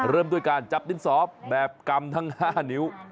เริ่มด้วยการจับดินสอแบบกำทั้ง๕นิ้ว